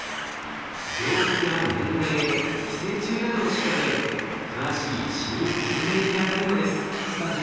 病気や年齢寄生虫などを調べ詳しい死因究明にあたるのです。